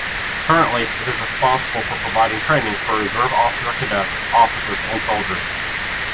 Currently, it is responsible for providing training for Reserve officer cadets, officers and soldiers.